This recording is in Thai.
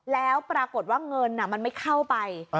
แล้วปรากฏว่าเงินมันไม่เข้าไป